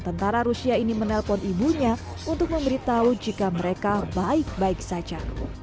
tentara rusia ini menelpon ibunya untuk memberitahu jika mereka baik baik saja